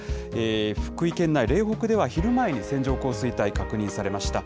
福井県内、嶺北では昼前に線状降水帯確認されました。